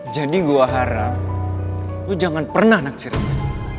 jadi gue harap lo jangan pernah naksirin dia